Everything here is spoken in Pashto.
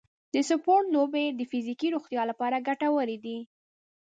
د سپورټ لوبې د فزیکي روغتیا لپاره ګټورې دي.